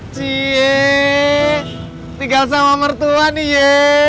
ciye tinggal sama mertuan ye